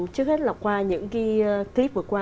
trước hết là qua những clip vừa qua